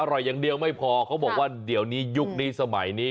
อย่างเดียวไม่พอเขาบอกว่าเดี๋ยวนี้ยุคนี้สมัยนี้